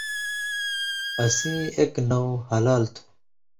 اسیں ایک نؤں ”حلال” تُھو۔